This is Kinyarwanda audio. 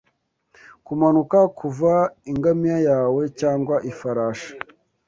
Kumanuka kuva ingamiya yawe cyangwa ifarashi